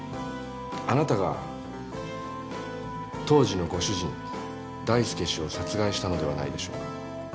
あなたが当時のご主人大輔氏を殺害したのではないでしょうか？